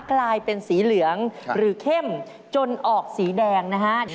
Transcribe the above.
กลายเป็นสีเหลืองหรือเข้มจนออกสีแดงนะฮะ